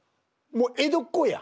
もう江戸っ子や。